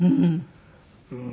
うん。